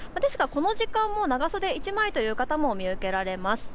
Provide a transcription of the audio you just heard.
この時間は長袖１枚という方も見受けられます。